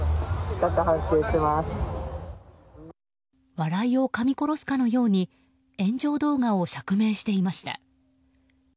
笑いをかみ殺すかのように炎上動画を釈明していました。